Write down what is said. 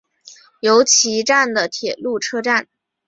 由岐站的铁路车站。